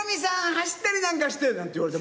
走ったりなんかしてなんて言われて。